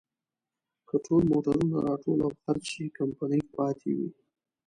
که ټول موټرونه راټول او خرڅ شي، کمپنۍ پاتې وي.